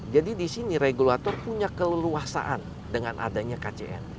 jadi disini regulator punya keleluasaan dengan adanya kcn